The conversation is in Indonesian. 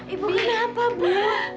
ibu kenapa bu